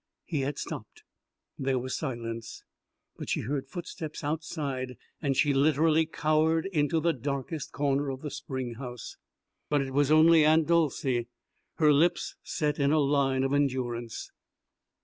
He had stopped there was silence but she heard footsteps outside, and she literally cowered into the darkest corner of the spring house. But it was only Aunt Dolcey, her lips set in a line of endurance.